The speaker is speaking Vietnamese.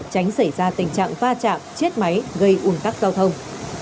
tránh xảy ra tình trạng pha chạm chết máy gây uổng tắc giao thông